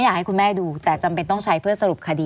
หรือว่าแม่ของสมเกียรติศรีจันทร์